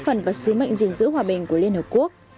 phần vào sứ mệnh giữ hòa bình của liên hợp quốc